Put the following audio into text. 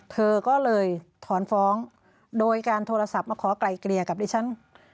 เธอก็เลยถอนฟ้องโดยการโทรศัพท์มาขอไกลเกลี่ยกับดิฉัน